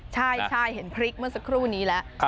ใช่เห็นพริกเมื่อสักครู่นี้แล้ว